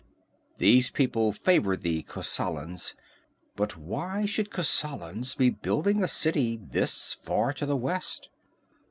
These people favor the Kosalans. But why should Kosalans be building a city this far to west?"